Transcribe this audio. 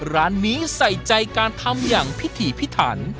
ร้านนี้ใส่ใจการทำอย่างพิถีพิถัน